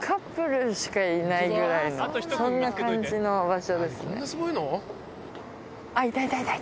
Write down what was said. ぐらいのそんな感じの場所ですね。